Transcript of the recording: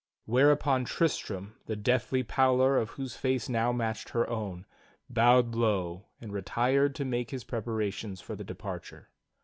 Whereupon Tristram, the deathly pallor of whose face now matched her own, bowed low and retired to make his preparations for the departure.